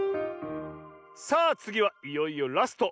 さあつぎはいよいよラスト。